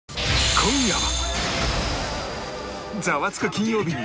今夜は